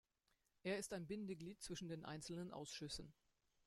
Er ist ein Bindeglied zwischen den einzelnen Ausschüssen.